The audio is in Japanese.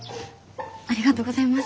ありがとうございます。